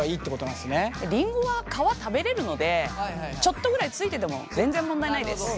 りんごは皮食べれるのでちょっとぐらいついてても全然問題ないです。